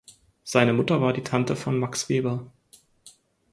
Seine Mutter war die Tante von Max Weber.